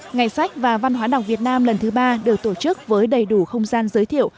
ngày sách và văn hóa đọc việt nam lần thứ ba được tổ chức với đầy đủ không gian giới thiệu